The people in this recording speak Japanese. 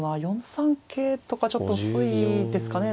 ４三桂とかちょっと遅いですかね。